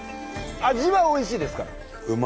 味はおいしいですから。